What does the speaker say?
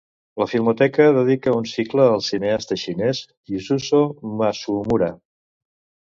La Filmoteca dedica un cicle al cineasta xinès Yasuzô Masumura.